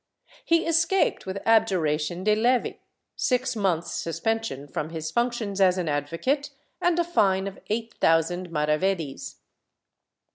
He escaped with abjuration de levi, six months' suspension from his functions as an advocate, and a fine of eight thousand maravedis.